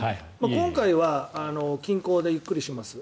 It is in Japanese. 今回は近郊でゆっくりします。